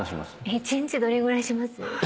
一日どれぐらいします？